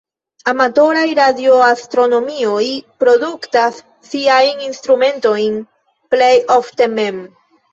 Amatoraj-Radioastronomoj produktas siajn instrumentojn plej ofte mem.